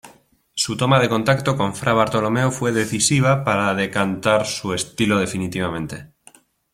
Su toma de contacto con Fra Bartolomeo fue decisiva para decantar su estilo definitivamente.